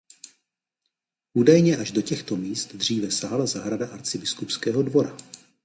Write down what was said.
Údajně až do těchto míst dříve sahala zahrada arcibiskupského dvora.